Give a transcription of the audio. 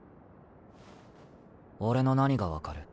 俺の何が分かる？